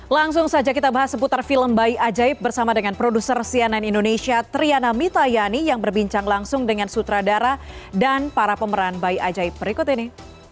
langsung saja kita bahas seputar film bayi ajaib bersama dengan produser cnn indonesia triana mitayani yang berbincang langsung dengan sutradara dan para pemeran bayi ajaib berikut ini